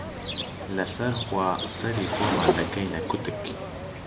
لەسەر خوا، سەری خۆمان دەکەینە کوتک